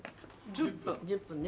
１０分ね。